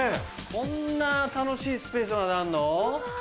こんな楽しいスペースまであんの？